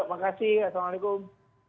terima kasih assalamu'alaikum